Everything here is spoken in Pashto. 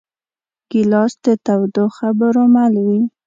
ګیلاس د تودو خبرو مل وي.